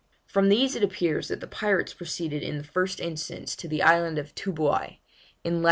From these it appears that the pirates proceeded in the first instance to the island of Toobouai, in lat.